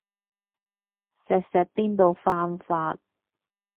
錫錫邊度犯法